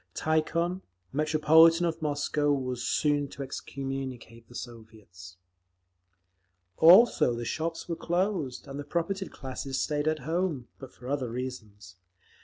Tikhon, Metropolitan of Moscow, was soon to excommunicate the Soviets…. Also the shops were closed, and the propertied classes stayed at home—but for other reasons.